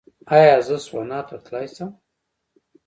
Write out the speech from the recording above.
ایا زه سونا ته تلی شم؟